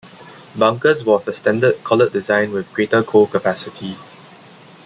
Bunkers were of the standard Collett design with greater coal capacity.